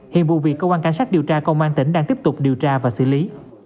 hiện vụ việc cơ quan cảnh sát điều tra công an tỉnh đang tiếp tục điều tra và xử lý